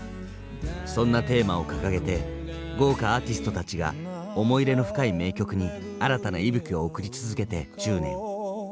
そんなテーマを掲げて豪華アーティストたちが思い入れの深い名曲に新たな息吹を送り続けて１０年。